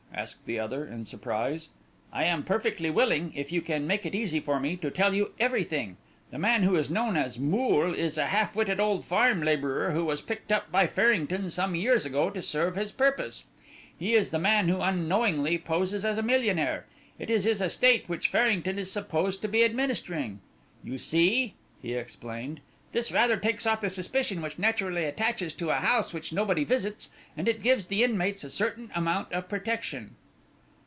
asked the other, in surprise. "I am perfectly willing, if you can make it easy for me, to tell you everything. The man who is known as Moole is a half witted old farm labourer who was picked up by Farrington some years ago to serve his purpose. He is the man who unknowingly poses as a millionaire. It is his estate which Farrington is supposed to be administering. You see," he explained, "this rather takes off the suspicion which naturally attaches to a house which nobody visits, and it gives the inmates a certain amount of protection."